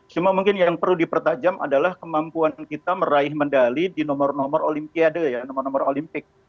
cuma mungkin yang perlu dipertajam adalah kemampuan kita meraih medali di nomor nomor olimpiade ya nomor nomor olimpik